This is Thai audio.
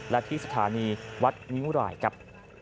และที่สถานีวัดงิ้วรายครับ